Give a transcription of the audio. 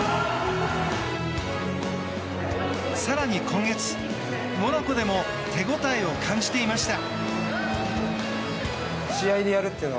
更に今月、モナコでも手ごたえを感じていました。